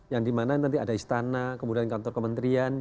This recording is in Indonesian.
yang dimana nanti ada istana kemudian kantor kementerian